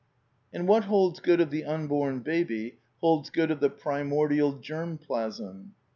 ^' And what holds good of the unborn baby holds good of the primordial germ plasm.